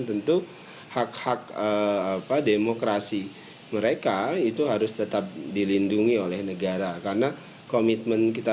tentu hak hak apa demokrasi mereka itu harus tetap dilindungi oleh negara karena komitmen kita